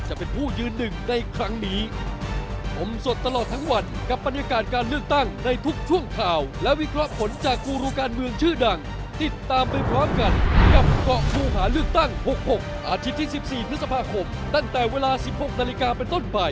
อันไหนที่เข้ากันได้จับได้อันไหนไม่เข้าก็พักไว้ก่อน